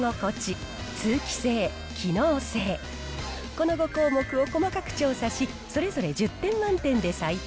この５項目を細かく調査しそれぞれ１０点満点で採点。